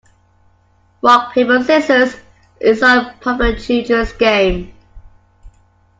Rock, paper, scissors is a popular children's game.